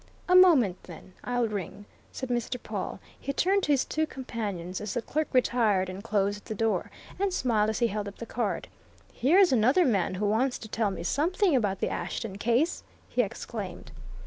"A moment, then I'll ring," said Mr. Pawle. He turned to his two companions as the clerk retired and closed the door, and smiled as he held up the card. "Here's another man who wants to tell me something about the Ashton case!" he exclaimed.